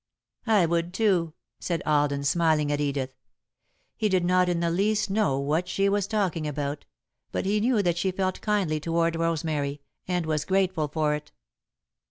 "I would, too," said Alden, smiling at Edith. He did not in the least know what she was talking about, but he knew that she felt kindly toward Rosemary, and was grateful for it.